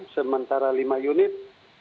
sementara lima unit